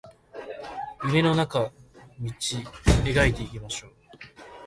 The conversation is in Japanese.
夢の中道描いていきましょう